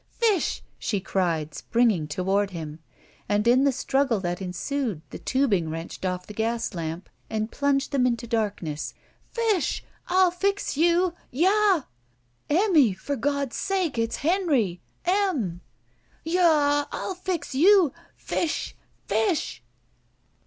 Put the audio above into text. Fish!" she cried, springing toward hkn; and in the struggle that ensued the tubing wrenched off the gas lamp and pltmged them into darkness. "Fish! I'll fix you! Ya a ah!" "Emmy! For God's sake, it's Henry! Em!' "Ya a ah! I'll fix you! Fish! Fish!"